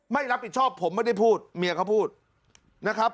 ไม่รับผิดชอบผมไม่ได้พูดเมียเขาพูดนะครับ